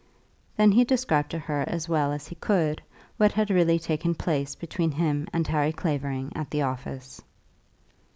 Then he described to her as well as he could, what had really taken place between him and Harry Clavering at the office.